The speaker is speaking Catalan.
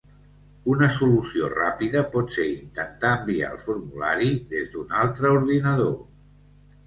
Una solució ràpida pot ser intentar enviar el formulari des d'un altre ordinador.